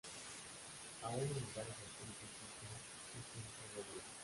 Aún en lugares así, existe este deseo de brillar.